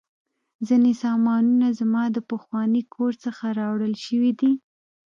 ځینې سامانونه زما د پخواني کور څخه راوړل شوي دي